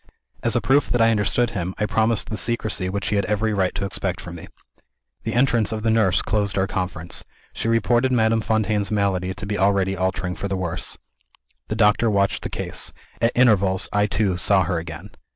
As a proof that I understood him, I promised the secrecy which he had every right to expect from me. The entrance of the nurse closed our conference. She reported Madame Fontaine's malady to be already altering for the worse. The doctor watched the case. At intervals, I too saw her again.